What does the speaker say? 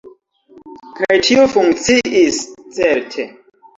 Kaj tio funkciis, certe.